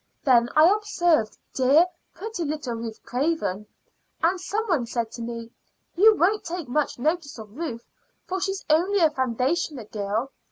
Then I observed dear, pretty little Ruth Craven, and some one said to me, 'You won't take much notice of Ruth, for she's only a foundation girl.'